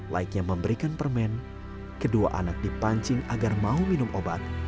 laiknya memberikan permen kedua anak dipancing agar mau minum obat